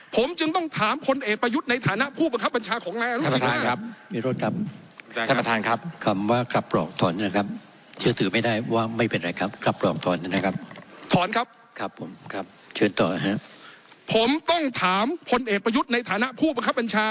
ผมจึงต้องถามคนเอกประยุทธ์ในฐานะผู้ประคบบัญชา